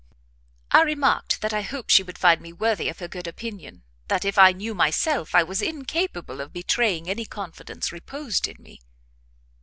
I remarked that I hoped she would find me worthy of her good opinion; that if I knew myself, I was incapable of betraying any confidence reposed in me.